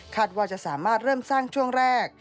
ว่าจะสามารถเริ่มสร้างช่วงแรก